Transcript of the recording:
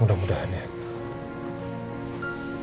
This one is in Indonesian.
mudah mudahan ya tapi